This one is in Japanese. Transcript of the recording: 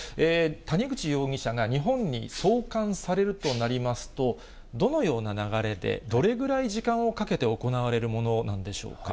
谷口容疑者が日本に送還されるとなりますと、どのような流れで、どれぐらい時間をかけて行われるものなんでしょうか。